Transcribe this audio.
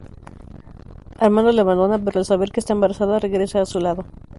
Armando le abandona, pero al saber que está embarazada regresa a su lado.